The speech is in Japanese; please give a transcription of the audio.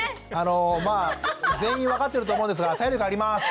まあ全員分かってると思うんですが体力あります。